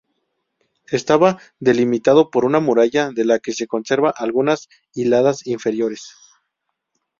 Estaba delimitado por una muralla de la que se conservan algunas hiladas inferiores.